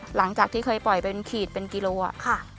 หลังจากที่เคยปล่อยเป็นขีดเป็นกิโลอ่ะค่ะ